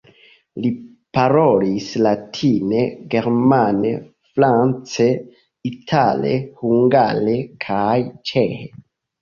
Li parolis latine, germane, france, itale, hungare kaj ĉeĥe.